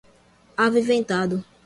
aviventando